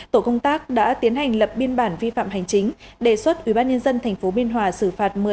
tổ công tác đã tiến hành lập biên bản vi phạm hành chính đề xuất ubnd tp biên hòa xử phạt một mươi năm